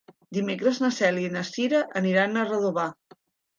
Dimecres na Cèlia i na Cira aniran a Redovà.